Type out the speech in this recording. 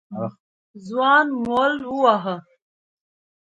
ځوان مول وواهه.